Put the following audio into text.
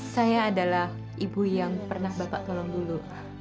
saya adalah ibu yang pernah bapak tolong dulu